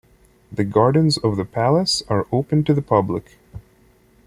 The gardens of the palace are open to the public.